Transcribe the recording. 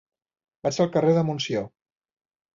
Vaig al carrer de Montsió.